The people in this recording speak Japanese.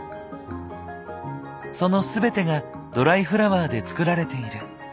その全てがドライフラワーで作られている。